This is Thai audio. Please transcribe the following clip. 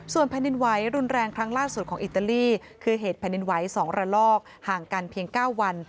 ส่วนแผ่นดินไหวรุนแรงครั้งล่าสุดของอิตาลีคือเหตุแผ่นดินไหว๒ระลอกห่างกันเพียง๙วัน